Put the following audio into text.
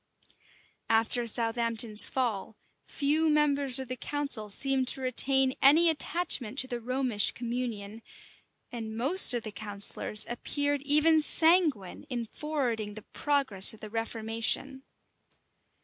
After Southampton's fall, few members of the council seemed to retain any attachment to the Romish communion; and most of the counsellors appeared even sanguine in forwarding the progress of the reformation.